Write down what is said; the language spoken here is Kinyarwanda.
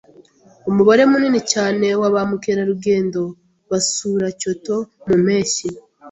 Umubare munini cyane wa ba mukerarugendo basura Kyoto mu mpeshyi.